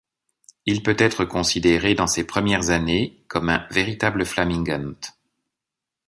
Il peut être considéré dans ses premières années comme un véritable flamingant.